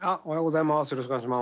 おはようございます。